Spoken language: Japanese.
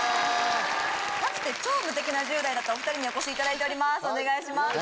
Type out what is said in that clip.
かつて超無敵な１０代だったお２人にお越しいただいております。